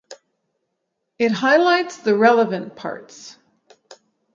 It highlights the relevant parts